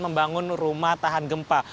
membangun rumah tahan gempa